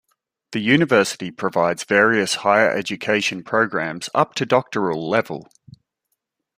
The University provides various higher education programs up to doctoral level.